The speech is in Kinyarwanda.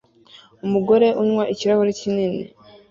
Umugore unywa ikirahure kinini